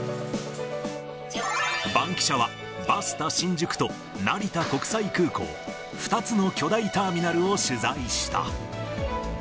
バンキシャは、バスタ新宿と成田国際空港、２つの巨大ターミナルを取材した。